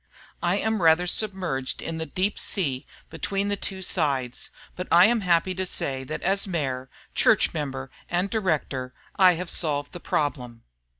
I am rather submerged in the deep sea between the two sides. But I am happy to say that as mayor, church member, and director I have solved the problem."